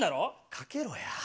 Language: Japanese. かけろや。